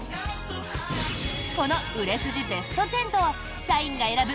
この売れ筋ベスト１０と社員が選ぶ